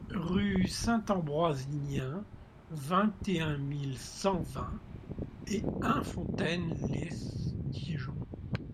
Rue Saint-Ambrosinien, vingt et un mille cent vingt et un Fontaine-lès-Dijon